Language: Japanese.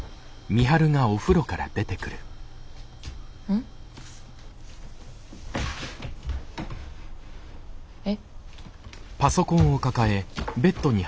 ん？え？